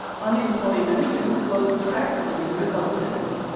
Unemployment and closed factories resulted.